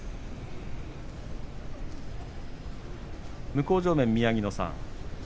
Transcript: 向正面、宮城野さん